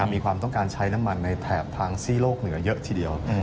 มีความต้องการใช้น้ำมันในแถบทางซี่โลกเหนือเยอะทีเดียว